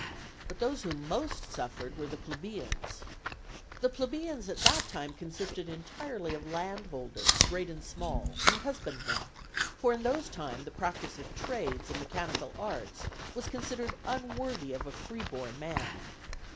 But those who most suffered were the plebeians. The plebeians at that time consisted entirely of landholders, great and small, and husbandmen, for in those times the practice of trades and mechanical arts was considered unworthy of a freeborn man.